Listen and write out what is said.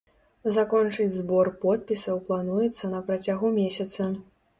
Закончыць збор подпісаў плануецца на працягу месяца.